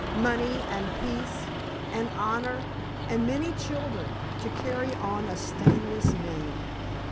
"Money, and peace, and honor, and many children, to carry on a stainless name.